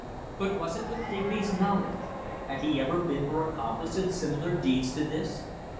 But was it with Digby's knowledge? Had he ever been her accomplice in similar deeds to this?